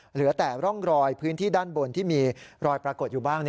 เหลือแต่ร่องรอยพื้นที่ด้านบนที่มีรอยปรากฏอยู่บ้าง